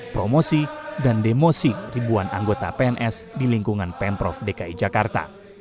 promosi dan demosi ribuan anggota pns di lingkungan pemprov dki jakarta